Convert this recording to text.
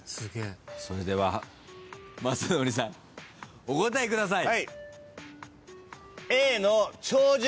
それでは雅紀さんお答えください。